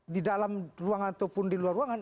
di dalam ruang ataupun di luar ruangan